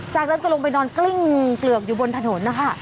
จากนั้นก็ลงไปนอนกลิ้งเปลือกอยู่บนถนนนะคะ